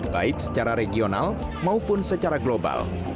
baik secara regional maupun secara global